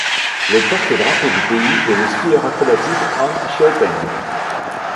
Le porte-drapeau du pays est le skieur acrobatique Han Xiaopeng.